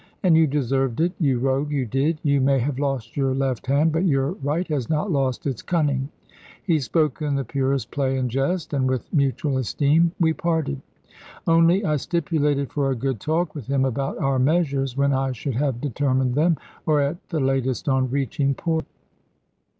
And you deserved it, you rogue, you did. You may have lost your left hand; but your right has not lost its cunning." He spoke in the purest play and jest; and with mutual esteem we parted. Only I stipulated for a good talk with him about our measures, when I should have determined them; or at the latest on reaching port.